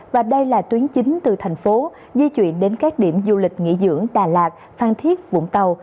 và đây là tuyến chính từ thành phố di chuyển đến các điểm du lịch nghỉ dưỡng đà lạt phan thiết vũng tàu